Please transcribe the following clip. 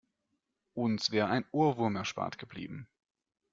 Uns wäre ein Ohrwurm erspart geblieben.